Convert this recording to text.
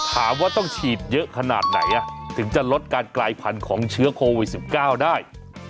ถามว่าต้องฉีดเยอะขนาดไหนถึงจะลดการกลายพันธุ์ของเชื้อโควิด๑๙ได้